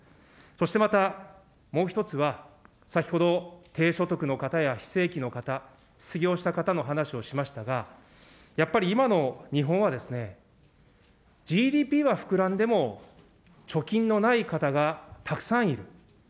そしてまた、もう１つは、先ほど、低所得の方や非正規の方、失業した方の話をしましたが、やはり今の日本はですね、ＧＤＰは膨らんでも、貯金のない方がたくさんいる。